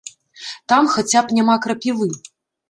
Там хаця б няма крапівы.